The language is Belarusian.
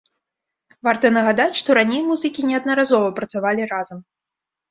Варта нагадаць, што раней музыкі неаднаразова працавалі разам.